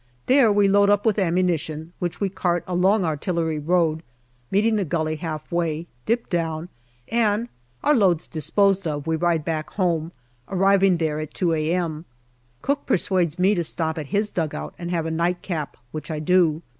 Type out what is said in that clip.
There we load up with ammunition, which we cart along Artillery Road, meeting the gully half way, dip down, and, our loads disposed of, we ride back home, arriving there at 2 a.m. Cooke persuades me to stop at his dugout and have a " nightcap," which I do.